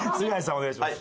お願いします。